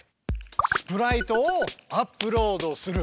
スプライトをアップロードする。